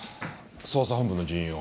捜査本部の人員を。